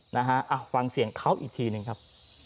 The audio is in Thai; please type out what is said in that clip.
นะฮะฟังเสียงเขาอีกทีหนึ่งครับ